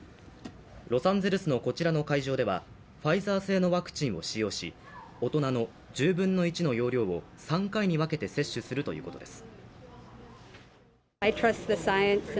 ロサンゼルスのこちらの会場ではファイザー製のワクチンを使用し大人の１０分の１の用量を３回に分けて接種するということです。